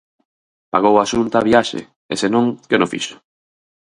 Pagou a Xunta a viaxe e senón, quen o fixo?